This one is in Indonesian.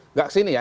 nggak kesini ya